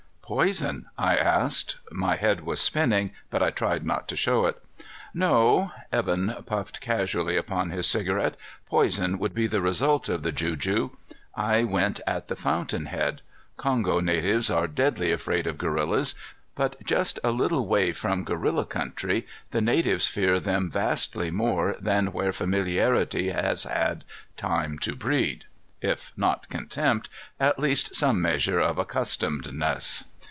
"Poison?" I asked. My head was spinning, but I tried not to show it. "No." Evan puffed casually upon his cigarette. "Poison would be the result of the juju. I went at the fountain head. Kongo natives are deadly afraid of gorillas, but just a little way from gorilla country, the natives fear them vastly more than where familiarity has had time to breed, if not contempt, at least some measure of accustomedness.